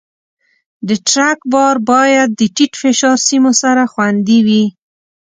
د ټرک بار باید د ټیټ فشار سیمو سره خوندي وي.